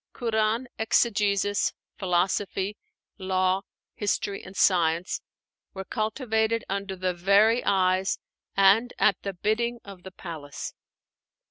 'Qur'an' exegesis, philosophy, law, history, and science were cultivated under the very eyes and at the bidding of the Palace.